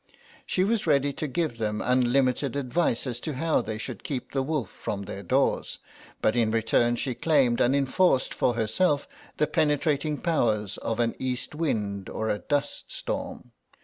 She was ready to give them unlimited advice as to how they should keep the wolf from their doors, but in return she claimed and enforced for herself the penetrating powers of an east wind or a dust storm.